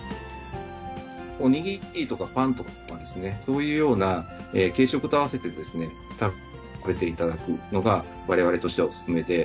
お握りとかパンとかですね、そういうような軽食と合わせて食べていただくのが、われわれとしてはお勧めで。